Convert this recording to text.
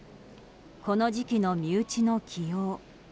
この時期の身内の起用